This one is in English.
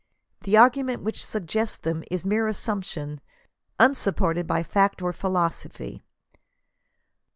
The argument which suggests them is mere assumption, unsupported by facta or philosophy.